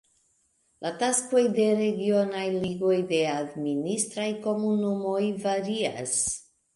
La taskoj de regionaj ligoj de administraj komunumoj varias.